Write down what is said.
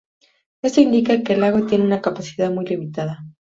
Esto indica que el lago tiene una capacidad muy limitada.